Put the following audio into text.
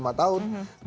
jangan kecewa nanti